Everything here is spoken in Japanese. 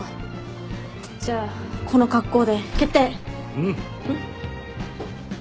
うん！